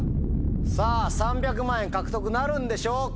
さぁ３００万円獲得なるんでしょうか？